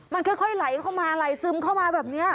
มันค่อยไหลเข้ามาที่เชิมเข้ามาแบบเนี้ย